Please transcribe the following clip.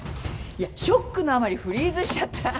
いやショックのあまりフリーズしちゃった。